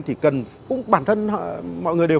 thì cần cũng bản thân mọi người đều